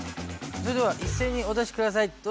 それではいっせいにお出しください。